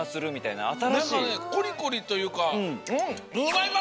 なんかねコリコリというか。